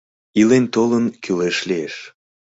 "Илен-толын, кӱлеш лиеш!"